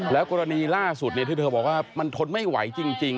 แล้วกรณีล่าสุดที่เธอบอกว่ามันทนไม่ไหวจริง